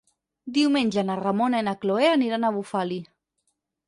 Diumenge na Ramona i na Cloè aniran a Bufali.